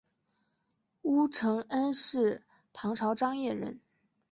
乌承恩是唐朝张掖人。